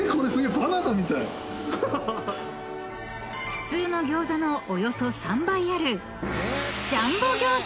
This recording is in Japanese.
［普通の餃子のおよそ３倍ある］